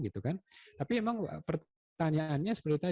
tapi memang pertanyaannya sebenarnya